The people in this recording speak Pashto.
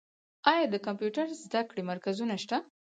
آیا د کمپیوټر زده کړې مرکزونه شته؟